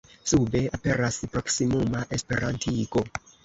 Sube aperas proksimuma Esperantigo.